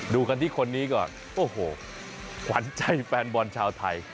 ดูกันที่คนนี้ก่อนโอ้โหขวัญใจแฟนบอลชาวไทย